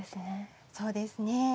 そうですね。